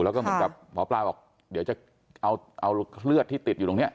แล้วก็เหมือนกับหมอปลาบอกเดี๋ยวจะเอาเลือดที่ติดอยู่ตรงนี้